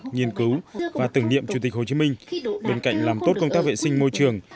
nghiên cứu và tưởng niệm chủ tịch hồ chí minh bên cạnh làm tốt công tác vệ sinh môi trường